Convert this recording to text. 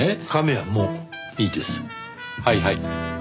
はいはい。